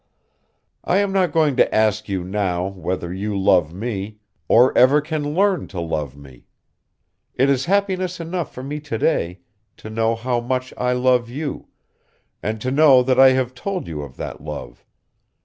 I am not going to ask you now whether you love me, or ever can learn to love me. It is happiness enough for me to day to know how much I love you, and to know that I have told you of that love.